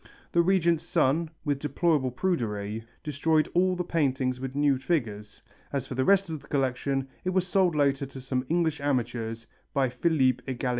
The Regent's son, with deplorable prudery, destroyed all the paintings with nude figures; as for the rest of the collection, it was sold later to some English amateurs by Philippe Egalité.